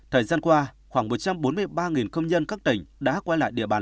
thời gian qua khoảng một trăm bốn mươi ba công nhân các tỉnh đã quay lại địa bàn